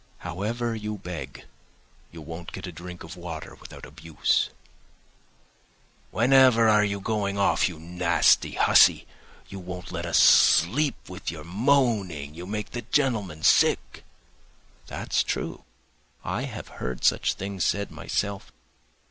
However you beg you won't get a drink of water without abuse: 'Whenever are you going off, you nasty hussy, you won't let us sleep with your moaning, you make the gentlemen sick.' That's true, I have heard such things said myself.